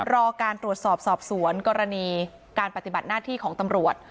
รอการตรวจสอบสอบสวนกรณีการปฏิบัติหน้าที่ของตำรวจ